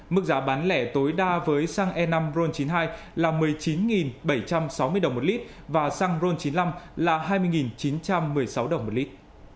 mức giá bán lẻ tối đa với xăng e năm ron chín mươi hai là một mươi chín bảy trăm sáu mươi đồng một lít và xăng ron chín mươi năm là hai mươi chín trăm một mươi sáu đồng một lít